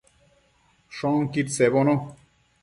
Shoquid sebono